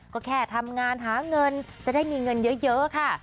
ก็แค่ทำงานหาเงินจะได้มีเงินเยอะค่ะ